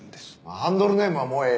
ハンドルネームはもうええ。